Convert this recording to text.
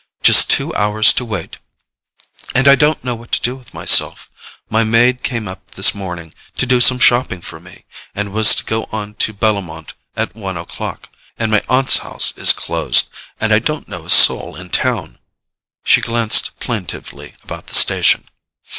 "Just two hours to wait. And I don't know what to do with myself. My maid came up this morning to do some shopping for me, and was to go on to Bellomont at one o'clock, and my aunt's house is closed, and I don't know a soul in town." She glanced plaintively about the station.